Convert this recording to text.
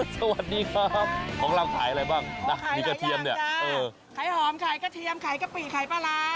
สวัสดีครับของเราขายอะไรบ้างนะมีกระเทียมเนี่ยเออขายหอมขายกระเทียมขายกะปิขายปลาร้า